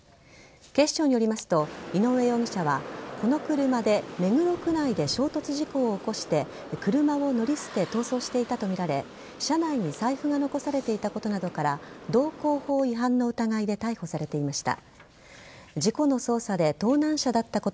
警視庁によりますと井上容疑者はこの車で目黒区内で衝突事故を起こして車を乗り捨て逃走していたとみられ車内に財布が残されていたことなどから道交法違反の疑いで逮捕されていました。